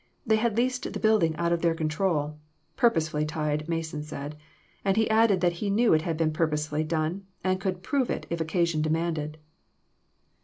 They had leased the building out of their control. Pur posely tied, Mason said ; and he added that he knew it had been purposely done, and could prove it, if occasion demanded."